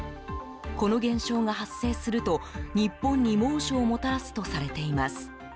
この現象が発生すると、日本に猛暑をもたらすとされています。